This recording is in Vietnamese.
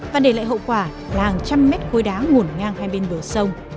và để lại hậu quả là hàng trăm mét khối đá ngổn ngang hai bên bờ sông